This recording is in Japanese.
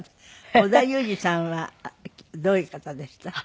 織田裕二さんはどういう方でした？